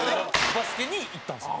バスケにいったんですよ。